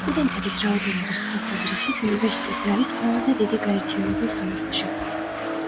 სტუდენტების რაოდენობის თვალსაზრისით უნივერსიტეტი არის ყველაზე დიდი გაერთიანებულ სამეფოში.